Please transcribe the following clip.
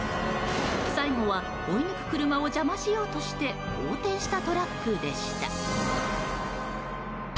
最後は追い抜く車を邪魔しようとして横転したトラックでした。